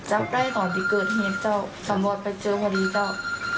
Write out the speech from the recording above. จับได้ตอนที่เกิดเหตุเจ้าตำรวจไปเจอพอดีเจ้า